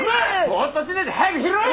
ぼっとしてねえで早く拾え！